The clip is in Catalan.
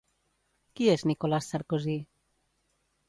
Qui és Nicolás Sarkozy?